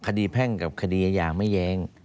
แพ่งกับคดีอาญาไม่แย้ง